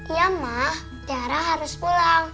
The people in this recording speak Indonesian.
iya ma tiara harus pulang